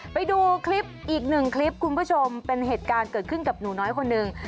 ไปดูคลิปอีกหนึ่งคลิปคุณผู้ชมเป็นเหตุการณ์เกิดขึ้นกับหนูน้อยคนหนึ่ง